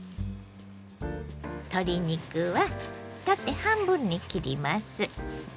鶏肉は縦半分に切ります。